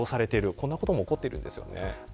こんなことも起こっているんですよね。